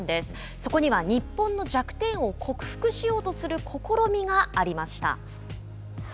そこには日本の弱点を克服しようという試みがありました。